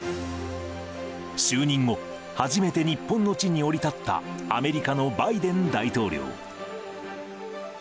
就任後初めて日本の地に降り立った、アメリカのバイデン大統領。